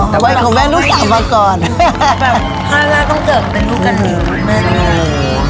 แต่ว่าแม่ก็ต้องมีชีวิตของตัวเองอย่างหนึ่งแต่ว่าแม่ก็ต้องมีชีวิตของตัวเองอย่างหนึ่ง